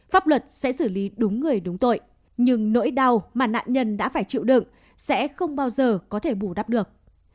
pháp luật sẽ xử lý đúng người đúng tội nhưng nỗi đau mà nạn nhân đã phải chịu đựng sẽ không bao giờ có thể bù đắp được